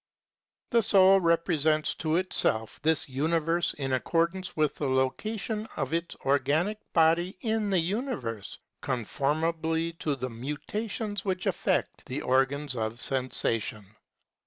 § 62. The soul re presents to itself this universe in accordance with the location of its organic body in the universe, conformably to the mutations which affect the organs of sensation.